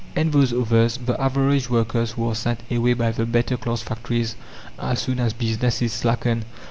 And those others the average workers who are sent away by the better class factories as soon as business is slackened?